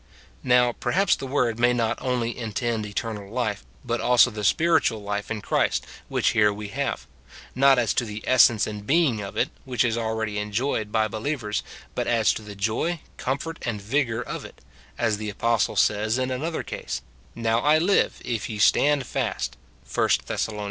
Now, perhaps the word may not only intend eternal life, but also the spiritual life in Christ, which here we have ; not as to the essence and being of it, which is already enjoyed by believers, but as to the joy, comfort, and vigour of it : as the apostle says in another case, "Now I live, if ye stand fast," 1 Thess. iii.